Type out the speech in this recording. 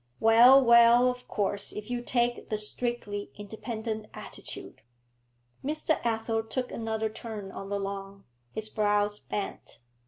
'Well, well, of course, if you take the strictly independent attitude ' Mr. Athel took another turn on the lawn, his brows bent.